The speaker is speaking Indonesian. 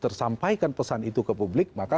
tersampaikan pesan itu ke publik maka